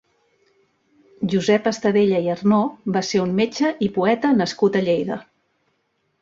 Josep Estadella i Arnó va ser un metge i poeta nascut a Lleida.